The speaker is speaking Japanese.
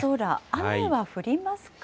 雨は降りますか？